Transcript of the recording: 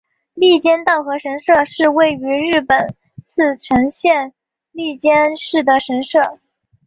笠间稻荷神社是位于日本茨城县笠间市的神社。